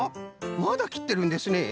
まだきってるんですねえ？